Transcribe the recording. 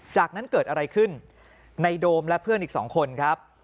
จากนั้นเกิดอะไรขึ้นในโดมและเพื่อนอีกสองคนครับ